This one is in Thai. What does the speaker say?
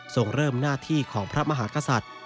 ส่งเริ่มหน้าที่ของพระมหากษัตริย์